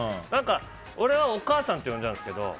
俺はお母さんって呼んじゃうんですけど。